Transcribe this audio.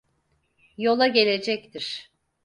Yola gelecektir.